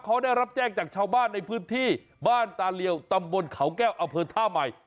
เขาได้รับแจ้งจากชาวบ้านในพื้นที่บ้านตาเลียวตำบลเขาแก้วอเภอท่าใหม่